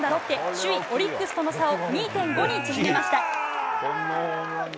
首位オリックスとの差を２．５に縮めました。